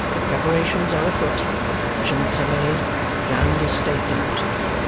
Preparations are afoot, measurements are made, ground is staked out.